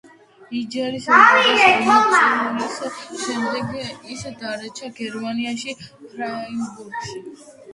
იჯარის ვადის ამოწურვის შემდეგ ის დარჩა გერმანიაში, „ფრაიბურგში“.